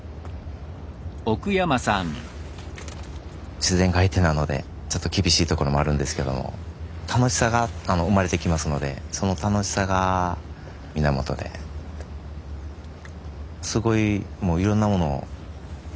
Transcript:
自然が相手なのでちょっと厳しいところもあるんですけども楽しさが生まれてきますのでその楽しさが源ですごいもういろんなものを得てますね。